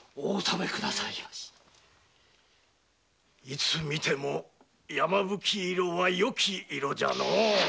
いつ見ても山吹色はよき色じゃのう。